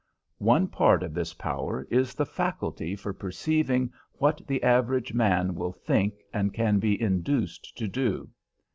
One part of this power is the faculty for perceiving what the average man will think and can be induced to do.